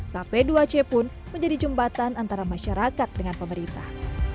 kp dua c pun menjadi jembatan antara masyarakat dengan pemerintah